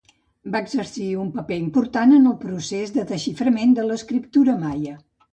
Va exercir un paper important en el procés de desxiframent de l'escriptura maia.